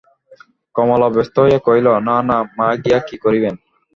কমলা ব্যস্ত হইয়া কহিল, না না, মা গিয়া কী করিবেন?